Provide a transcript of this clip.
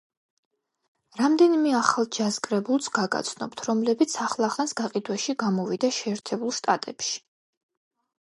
რამდენიმე ახალ ჯაზ კრებულს გაგაცნობთ, რომლებიც ახლახანს გაყიდვაში გამოვიდა შეერთებულ შტატებში.